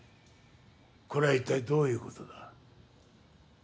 これは一体どういうことだ？